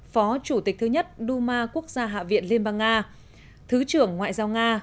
phó chủ tịch thứ nhất duma quốc gia hạ viện liên bang nga thứ trưởng ngoại giao nga